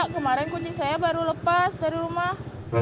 kemarin kucing saya baru lepas dari rumah